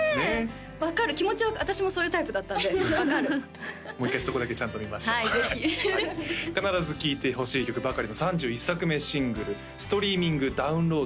分かる気持ちは私もそういうタイプだったんで分かるもう一回そこだけちゃんと見ましょう必ず聴いてほしい曲ばかりの３１作目シングルストリーミングダウンロード